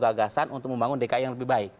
gagasan untuk membangun dki yang lebih baik